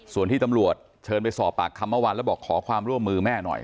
ส่วนที่ตำรวจเชิญไปสอบปากคำเมื่อวานแล้วบอกขอความร่วมมือแม่หน่อย